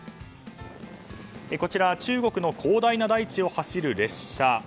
こちら中国の広大な大地を走る列車。